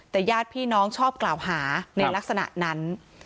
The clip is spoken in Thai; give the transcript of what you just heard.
แต่ญาติพี่น้องชอบกล่าวหาในลักษณะนั้น